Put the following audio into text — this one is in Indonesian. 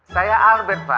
saya albert pak